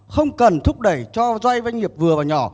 không cần thúc đẩy cho doanh doanh nghiệp vừa và nhỏ